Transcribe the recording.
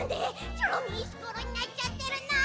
チョロミーいしころになっちゃってるの？